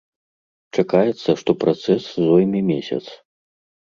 Чакаецца, што працэс зойме месяц.